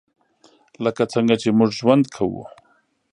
لکه څنګه چې موږ ژوند کوو .